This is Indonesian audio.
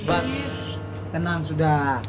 shh tenang sudah